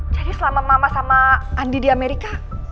jadi selama mama sama andi di amerika